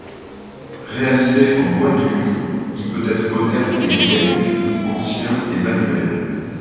Réalisé en bois dur, il peut être moderne et mécanique ou ancien et manuel.